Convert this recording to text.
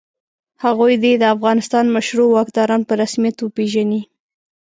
هغوی دې د افغانستان مشروع واکداران په رسمیت وپېژني.